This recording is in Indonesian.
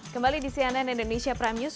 kembali di cnn indonesia prime news